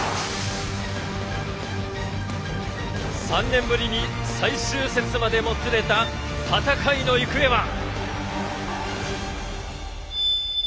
３年ぶりに最終節までもつれた戦いの行方は。